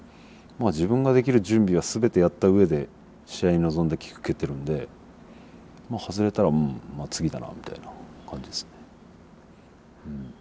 自分ができる準備は全てやった上で試合に臨んでキック蹴ってるんで外れたらまあ次だなみたいな感じですね。